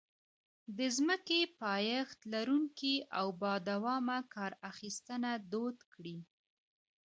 د ځمکې پایښت لرونکې او بادوامه کار اخیستنه دود کړي.